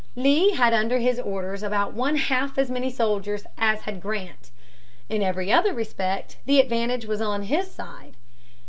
Lee had under his orders about one half as many soldiers as had Grant. In every other respect the advantage was on his side.